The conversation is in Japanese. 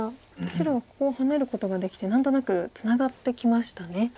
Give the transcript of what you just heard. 白はここをハネることができて何となくツナがってきましたね。